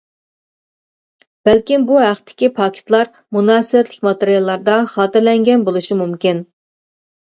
بەلكىم بۇ ھەقتىكى پاكىتلار مۇناسىۋەتلىك ماتېرىياللاردا خاتىرىلەنگەن بولۇشى مۇمكىن.